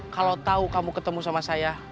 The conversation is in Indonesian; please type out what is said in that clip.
kalau tahu kamu ketemu sama saya